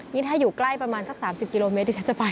นี่ถ้าอยู่ใกล้ประมาณสัก๓๐กิโลเมตรที่ฉันจะไป